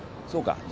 そうか。